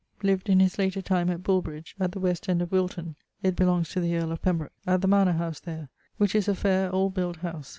lived in his later time at Bulbridge (at the west end of Wilton it belongs to the earle of Pembroke) at the mannor house there, which is a faire old built house.